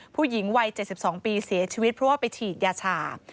ผู้หญิงวัย๗๒ปีเสียชีวิตเพราะว่าไปฉีดยาชา